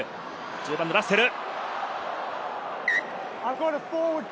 １０番ラッセル。